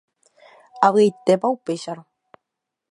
Avy'aitépa upéicharõ